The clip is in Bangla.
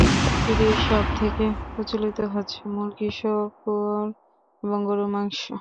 যদিও সবথেকে প্রচলিত হচ্ছে মুরগী, শূকর এবং গরুর মাংস।